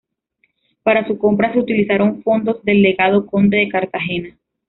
Para su compra se utilizaron fondos del legado Conde de Cartagena.